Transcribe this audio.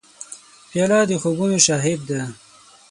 پیاله د خوبونو شاهد ده.